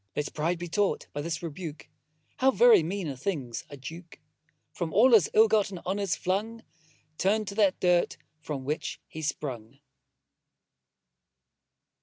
Let pride be taught by this rebuke, How very mean a thing's a Duke; From all his ill got honours flung, Turn'd to that dirt from whence he sprung.